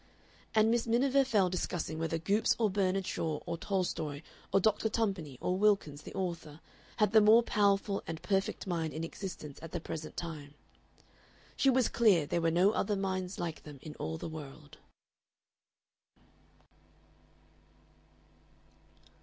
And Miss Miniver fell discussing whether Goopes or Bernard Shaw or Tolstoy or Doctor Tumpany or Wilkins the author had the more powerful and perfect mind in existence at the present time. She was clear there were no other minds like them in all the world.